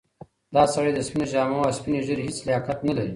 دا سړی د سپینو جامو او سپینې ږیرې هیڅ لیاقت نه لري.